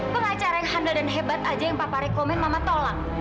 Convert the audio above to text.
pengacara yang handal dan hebat aja yang papa rekomen mama tolak